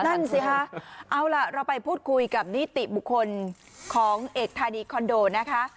นั่นสิคะเอาล่ะเราไปพูดคุยกับนิติบุคคลของเอกธานีคอนโดนะคะ